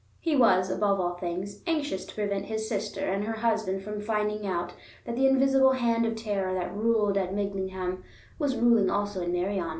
He was, above all things, anxious to prevent his sister and her husband from finding out that the invisible hand of terror that ruled at Midlingham was ruling also in Meirion.